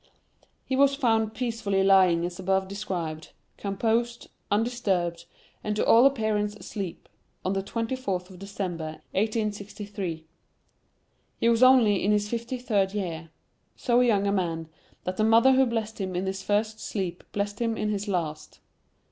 He was found peacefully lying as above described, composed, undisturbed, and to all appearance asleep, on the twenty fourth of December 1863. He was only in his fifty third year; so young a man that the mother who blessed him in his first sleep blessed him in his last.